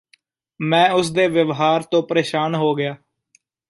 ਮੈਂ ਉਸ ਦੇ ਵਿਵਹਾਰ ਤੋਂ ਪ੍ਰੇਸ਼ਾਨ ਹੋ ਗਿਆ